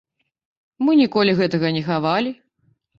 Мы ніколі гэтага не хавалі.